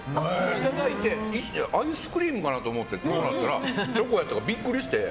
いただいてアイスクリームかなと思って食べたらチョコやったからビックリして。